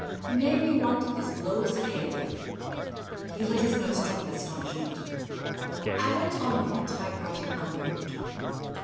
" The name you want is — Lois Cayley !" He let his notes drop in his astonishment. I went on with my typewriting, unmoved.